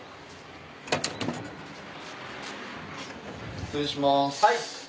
失礼します